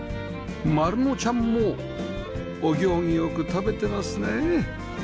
まるのちゃんもお行儀良く食べてますね